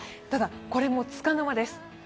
ただ、これもつかの間です。